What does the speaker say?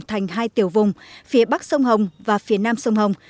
thành hai tiểu vùng phía bắc sông hồng và phía nam sông hồng